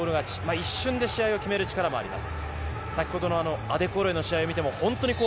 一瞬で試合を決める力もあります。